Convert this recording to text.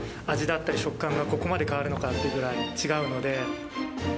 味だったり食感が、ここまで変わるのかってぐらい違うので。